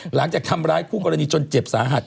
หลังจากทำร้ายคู่กรณีจนเจ็บสาหัส